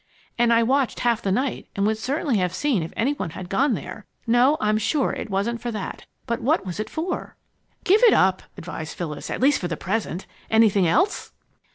And I watched half the night and would certainly have seen if any one had gone there. No, I'm sure it wasn't for that. But what was it for?" "Give it up," advised Phyllis, "at least for the present. Anything else?"